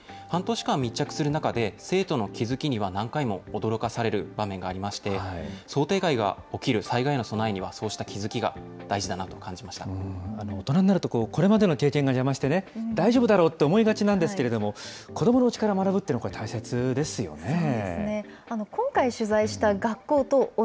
半年間密着する中で、生徒の気づきには何回も驚かされる場面がありまして、想定外が起きる災害への備えには、そうした気づきが大事だなと感じ大人になると、これまでの経験が邪魔してね、大丈夫だろうと思いがちなんですけれども、子どものうちから学ぶっていうのは、これ、大切ですよね。